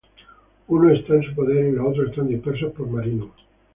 Uno está en su poder, y los otros están dispersados por Marinus.